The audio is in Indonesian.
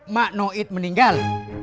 mak noid meninggal